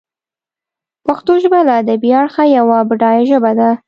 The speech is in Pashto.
پښتو ژبه له ادبي اړخه یوه بډایه ژبه ده.